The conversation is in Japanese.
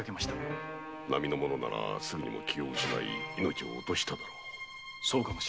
並の者ならすぐに気を失い命を落としただろう。